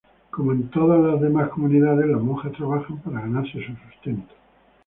Como en todas las demás comunidades, las monjas trabajan para ganarse su sustento.